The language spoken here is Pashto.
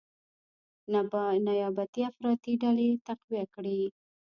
نیابتي افراطي ډلې تقویه کړي،